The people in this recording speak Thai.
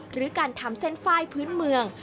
หรือการทำเส้นไฟล์พื้นเมือง